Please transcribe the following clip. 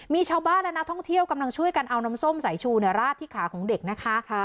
มีชาวบ้านและนักท่องเที่ยวกำลังช่วยกันเอาน้ำส้มสายชูราดที่ขาของเด็กนะคะ